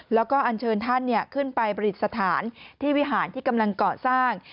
แล้วก็ยังเชิญท่านเนี่ยขึ้นไปผลิตสถานที่วิหารที่กำลังเกาะสร้าง